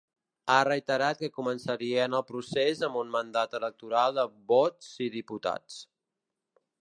Ha reiterat que començarien el procés amb un mandat electoral de vots i diputats.